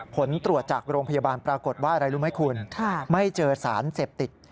ผลตรวจจากโรงพยาบาลปรากฏว่าอะไรรู้ไหมคุณไม่เจอสารเสพติด